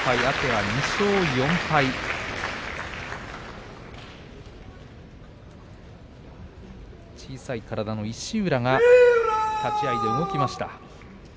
天空海は２勝４敗小さい体の石浦が立ち合いで動きました。